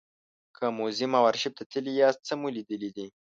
که موزیم او ارشیف ته تللي یاست څه مو لیدلي دي.